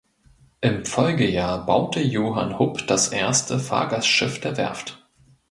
Im Folgejahr baute Johann Hupp das erste Fahrgastschiff der Werft.